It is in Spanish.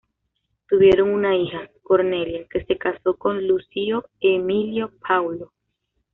Tuvieron una hija, Cornelia, que se casó con Lucio Emilio Paulo.